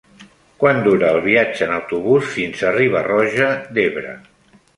Quant dura el viatge en autobús fins a Riba-roja d'Ebre?